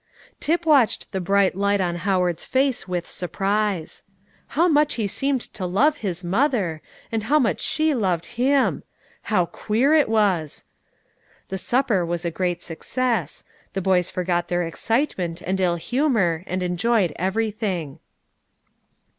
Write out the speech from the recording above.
Tip watched the bright light on Howard's face with surprise. How much he seemed to love his mother, and how much she loved him! how queer it was! The supper was a great success; the boys forgot their excitement and ill humour, and enjoyed everything.